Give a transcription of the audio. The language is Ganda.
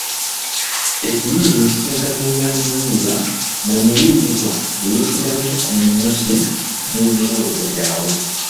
Ekiyiiye nsisinkaniro ya muyiiya na muyiiyizwa eyeesigamye ku minyusi gy’emirowooza gyabwe.